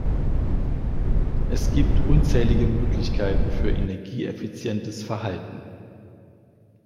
Es gibt unzählige Möglichkeiten für energieeffizientes Verhalten.